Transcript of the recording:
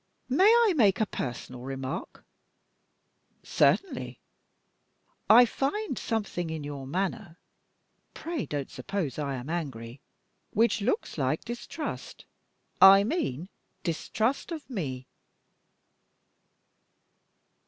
May I make a personal remark?" "Certainly." "I find something in your manner pray don't suppose that I am angry which looks like distrust; I mean, distrust of me."